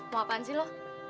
mau apaan sih lo